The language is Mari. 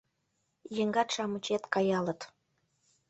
Еҥгат-шамычет каялыт.